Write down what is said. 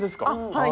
はい。